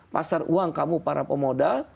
pasar uang kamu para pemodal